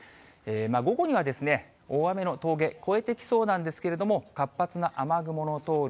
午後には大雨の峠、越えてきそうなんですけれども、活発な雨雲の通る